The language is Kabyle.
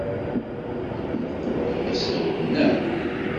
Temmuqqleḍ d asawen, naɣ?